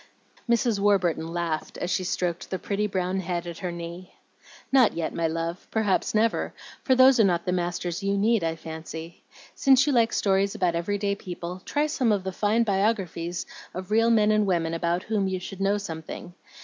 Mrs. Warburton laughed, as she stroked the pretty brown head at her knee. "Not yet, my love, perhaps never, for those are not the masters you need, I fancy. Since you like stories about every day people, try some of the fine biographies of real men and women about whom you should know something.